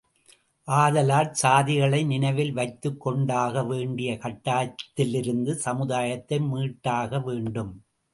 ஆதலால் சாதிகளை நினைவில் வைத்துக் கொண்டாக வேண்டிய கட்டாயத்திலிருந்து சமுதாயத்தை மீட்டாக வேண்டும்.